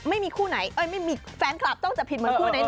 ไม่มีคู่ไหนเอ้ยไม่มีแฟนคลับต้องจะผิดเหมือนคู่ไหน